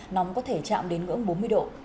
nóng có thể chạm đến ngưỡng bốn mươi độ